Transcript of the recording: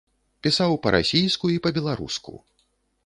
Пісаў па-расійску і па-беларуску.